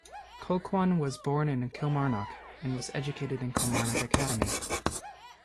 Colquhoun was born in Kilmarnock and was educated at Kilmarnock Academy.